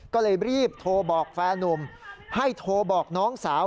ก็เลยรีบโทรบอกแฟนนุ่มให้โทรบอกน้องสาว